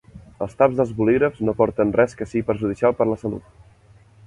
Els taps dels bolígrafs no porten res que sigui perjudicial per a la salut.